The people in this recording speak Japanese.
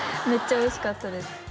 めっちゃおいしかったです